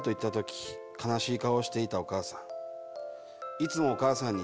いつもお母さんに